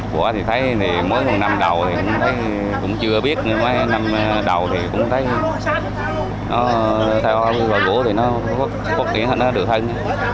bố thấy mỗi năm đầu thì cũng chưa biết mấy năm đầu thì cũng thấy tàu bỏ gỗ thì nó cốt điển hơn nó được hơn